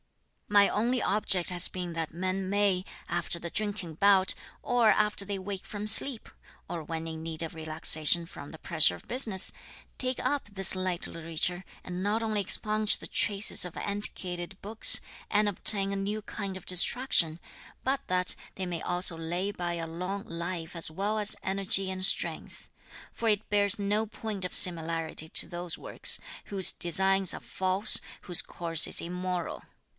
"My only object has been that men may, after a drinking bout, or after they wake from sleep or when in need of relaxation from the pressure of business, take up this light literature, and not only expunge the traces of antiquated books, and obtain a new kind of distraction, but that they may also lay by a long life as well as energy and strength; for it bears no point of similarity to those works, whose designs are false, whose course is immoral.